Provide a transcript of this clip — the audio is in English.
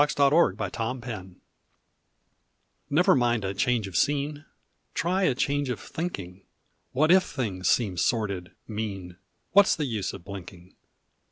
61 ] ON THINKING GLAD NEVER mind a change of scene Try a change of thinking. What if things seem sordid, mean, What s the use of blinking?